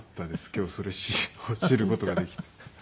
今日それ知る事ができて。